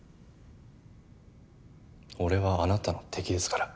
俺はあなたの敵ですから。